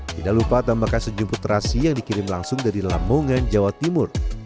tidak lupa tambahkan sejumput terasi yang dikirim langsung dari lamongan jawa timur